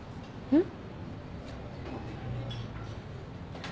えっ？